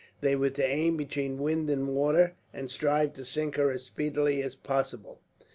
They were to aim between wind and water, and strive to sink her as speedily as possible.